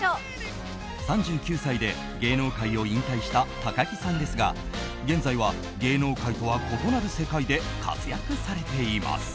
３９歳で芸能界を引退した高樹さんですが現在は芸能界とは異なる世界で活躍されています。